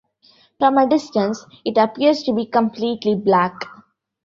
From a distance, it appears to be completely black.